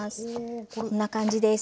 こんな感じです。